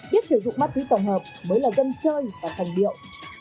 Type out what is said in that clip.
biết sử dụng ma túy tổng hợp mới là dân chơi và thành điệu